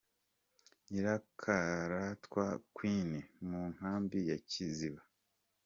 Nyirakaratwa Queen mu Nkambi ya Kiziba.